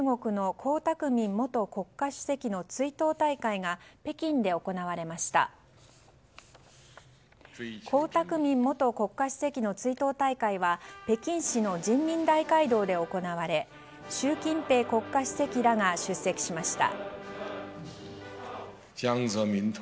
江沢民元国家主席の追悼大会は北京市の人民大会堂で行われ習近平国家主席らが出席しました。